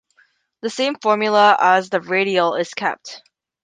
The same formula as the Radial is kept.